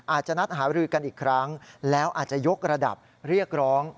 อาจจะนัดหารือกันอีกครั้งแล้วอาจจะยกระดับเรียกร้อง